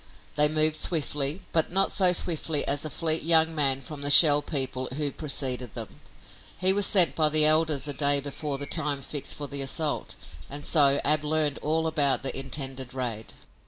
They moved swiftly, but not so swiftly as a fleet young man from the Shell People who preceded them. He was sent by the elders a day before the time fixed for the assault, and so Ab learned all about the intended raid.